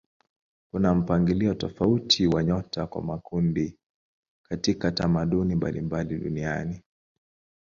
Kuna mpangilio tofauti wa nyota kwa makundi katika tamaduni mbalimbali duniani.